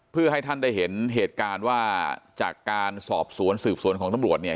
เพื่อให้ท่านได้เห็นเหตุการณ์ว่าจากการสอบสวนสืบสวนของตำรวจเนี่ย